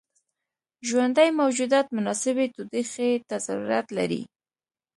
ژوندي موجودات مناسبې تودوخې ته ضرورت لري.